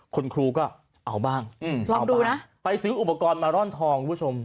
คุณครูก็เอาบ้างลองดูนะไปซื้ออุปกรณ์มาร่อนทองคุณผู้ชม